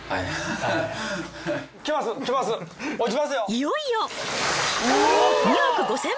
いよいよ。